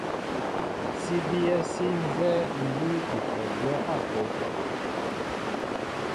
Sí bíyɛ́ sí nzɛ́ɛ́ mbʉ́ʉ́ i kɔ gwɛ́ ápə́.